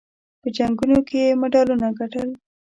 په جنګونو کې یې مډالونه ګټل.